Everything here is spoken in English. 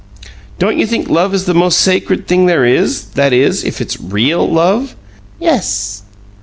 "Don't you think love is the most sacred thing there is that is, if it's REAL love?" "Ess."